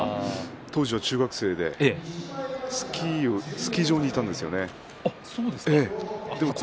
当時、中学生でスキー場にいたんですよね。